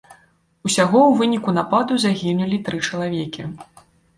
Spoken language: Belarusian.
Усяго ў выніку нападу загінулі тры чалавекі.